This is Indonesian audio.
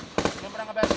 sudah pernah ngebayangin